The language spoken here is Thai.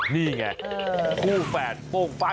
นี่ไงคู่แฝดโป้งปั้น